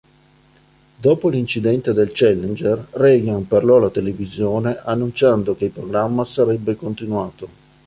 Dopo l'incidente del Challenger, Reagan parlò alla televisione annunciando che il programma sarebbe continuato.